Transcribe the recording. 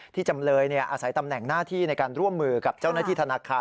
จำเลยอาศัยตำแหน่งหน้าที่ในการร่วมมือกับเจ้าหน้าที่ธนาคาร